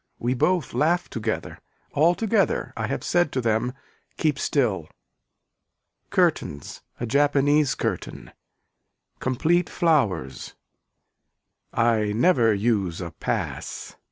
We both laugh together. Altogether I have said to them keep still. Curtains a japanese curtain. Complete flowers. I never use a pass.